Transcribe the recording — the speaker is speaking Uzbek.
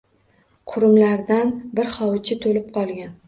Qurumlaridan bir hovuchi to’lib qolgan